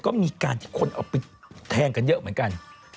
ก็มีการที่คนเอาไปแทงกันเยอะเหมือนกัน